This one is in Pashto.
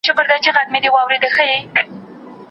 پوهانو کلونه څېړنه کوله.